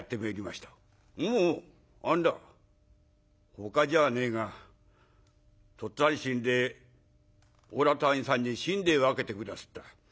「ほかじゃねえが父っつぁん死んでおらと兄さんに身代分けて下すった。